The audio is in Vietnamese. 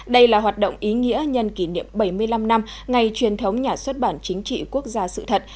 đây là hoạt động ý nghĩa nhân kỷ niệm bảy mươi năm năm ngày truyền thống nhà xuất bản chính trị quốc gia sự thật